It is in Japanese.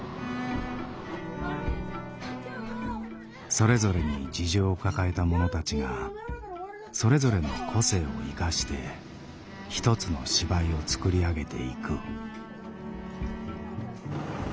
それぞれに事情を抱えた者たちがそれぞれの個性を生かして一つの芝居を作り上げていく。